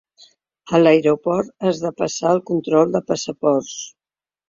A l’aeroport has de passar el control de passaports.